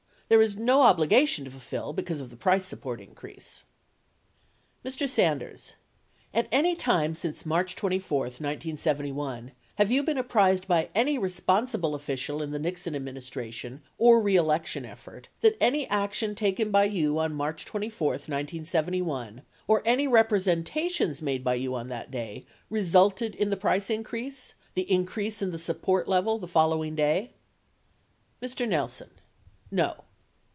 There is no obligation to fulfill because of the price support increase. 5j! 4: #* Mr. Sanders. At any time since March 24, 1971, have you been apprised by any responsible official in the Nixon admin istration or reelection effort that any action taken by you on March 24, 1971, or any representations made by you on that day resulted in the price increase, the increase in the support level the following day ? Mr. Nelson. No.